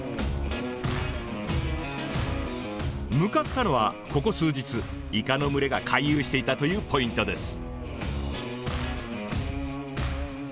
向かったのはここ数日イカの群れが回遊していたというポイントです。